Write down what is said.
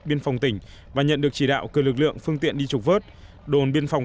biên phòng tỉnh và nhận được chỉ đạo cử lực lượng phương tiện đi trục vớt đồn biên phòng